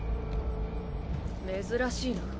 珍しいな。